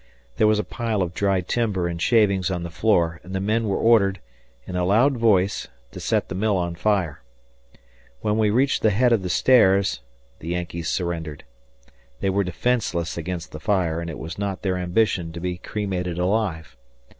There was a pile of dry timber and shavings on the floor, and the men were ordered, in a loud voice, to set the mill on fire. When we reached the head of the stairs, the Yankees surrendered. They were defenceless against the fire, and it was not their ambition to be cremated alive.